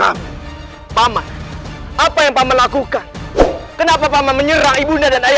aku minta kalian segera mempersiapkan penobatan raja baru